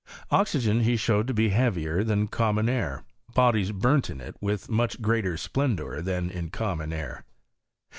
Oxygen he showed to be heavier than common air ; bodies burnt in it with much greater splendour than in common air.